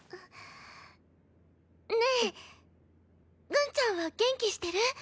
ぐんちゃんは元気してる？